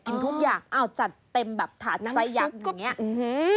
กินทุกอย่างอ้าวจัดเต็มแบบถาดไซส์ยักษ์แบบเนี้ยอื้อฮือ